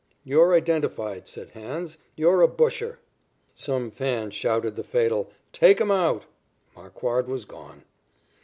"You're identified," said "Hans"; "you're a busher." Some fan shouted the fatal "Take him out." Marquard was gone.